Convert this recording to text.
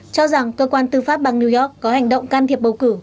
cho rằng cơ quan tư pháp bang new york có hành động can thiệp bầu cử